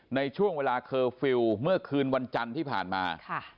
ในช่วงเวลาเคอร์ฟิลล์เมื่อคืนวันจันทร์ที่ผ่านมา